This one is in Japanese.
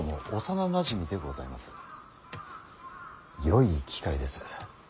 よい機会です